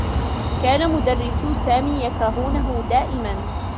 كان مدرّسو سامي يكرهونه دائما.